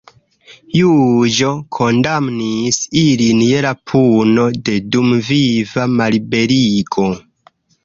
Juĝo kondamnis ilin je la puno de dumviva malliberigo.